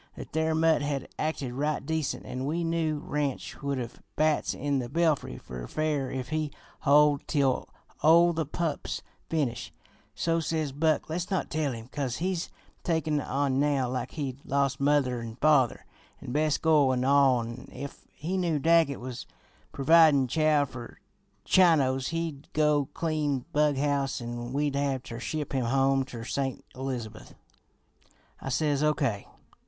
That there mutt had acted right decent, an' we knew Ranch would have bats in the belfry fer fair if he hoid tell o' the pup's finish; so says Buck; 'Let's not tell him, 'cause he's takin' on now like he'd lost mother an' father an' best goil an' all, an' if he knew Daggett was providin' chow fer Chinos he'd go clean bug house an' we'd have ter ship him home ter St. Elizabeth.' "I says O. K.